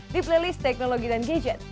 di playlist teknologi dan gadget